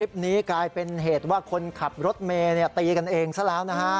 คลิปนี้กลายเป็นเหตุว่าคนขับรถเมตรเนี่ยตีกันเองซะแล้วนะฮะ